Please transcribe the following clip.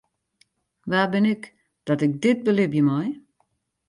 Wa bin ik dat ik dit belibje mei?